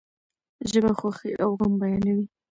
ژبه خوښی او غم بیانوي.